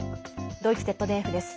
ドイツＺＤＦです。